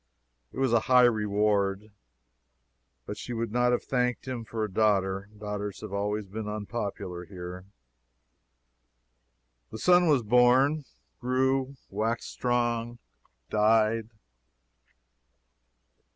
It was a high reward but she would not have thanked him for a daughter daughters have always been unpopular here. The son was born, grew, waxed strong, died.